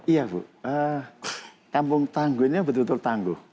iya bu kampung tangguh ini betul betul tangguh